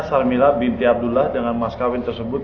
sarmila binti abdullah dengan mas kawin tersebut